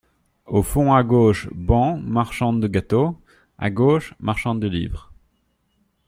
Au fond, à gauche, bancs, marchande de gâteaux ; à gauche, marchande de livres.